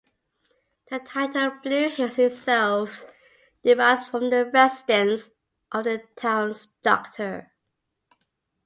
The title "Blue Hills" itself derives from the residence of the town's doctor.